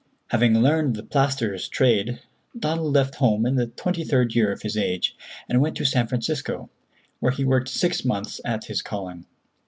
Having learned the plasterer's trade, Donald left home in the twenty third year of his age, and went to San Francisco, where he worked six months at his calling.